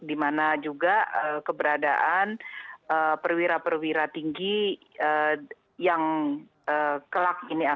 di mana juga keberadaan perwira perwira tinggi yang kelak ini